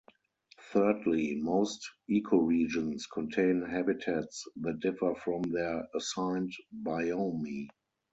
Thirdly, most ecoregions contain habitats that differ from their assigned biome.